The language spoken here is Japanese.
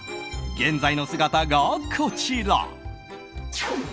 現在の姿がこちら。